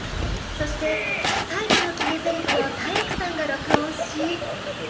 そして最後の決めゼリフを体育さんが録音し。